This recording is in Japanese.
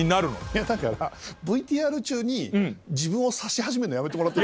だからＶＴＲ中に自分を刺し始めるのやめて。